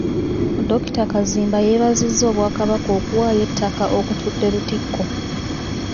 Dr. Kazimba yeebazizza Obwakabaka okuwaayo ettaka okutudde Lutikko.